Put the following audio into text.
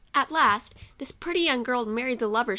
At last this pretty young girl married the lover